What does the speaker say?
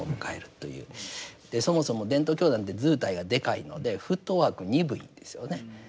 そもそも伝統教団って図体がでかいのでフットワーク鈍いんですよね。